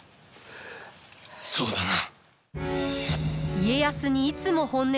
そうだな。